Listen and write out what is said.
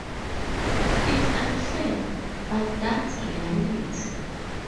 It's unfair, but that's reality.